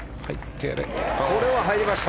これは入りました。